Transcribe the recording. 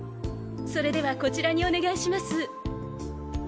それではこちらにお願いします。